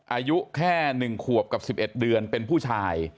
อายุแค่๑ขวบกับ๑๑เดือนเป็นผู้ชาย